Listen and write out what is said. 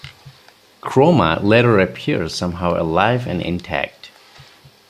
Chroma later appears somehow alive and intact.